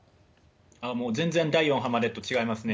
もう、全然第４波までと違いますね。